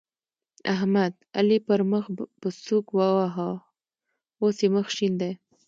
احمد؛ علي پر مخ په سوک وواهه ـ اوس يې مخ شين دی.